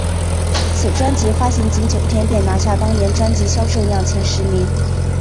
此专辑发行仅九天便拿下当年专辑销售量前十名。